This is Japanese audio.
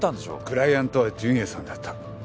クライアントは純也さんだった。